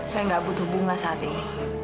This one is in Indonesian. saya nggak butuh bunga saat ini